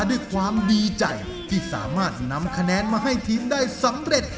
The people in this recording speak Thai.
ด้วยความดีใจที่สามารถนำคะแนนมาให้ทีมได้สำเร็จ